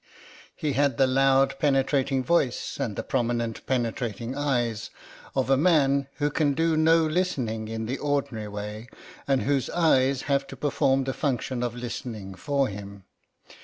He had the loud penetrating voice and the prominent penetrating eyes of a man who can do no listening in the ordinary way and whose eyes have to perform the function of listening for him.